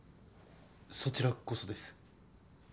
そちらこそです。